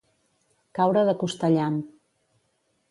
Caure de costellam.